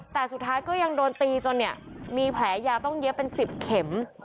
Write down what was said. แต่สุดท้ายก็ยังโดนตีจนเนี่ยมีแผลยาวต้องเย็บเป็น๑๐เข็ม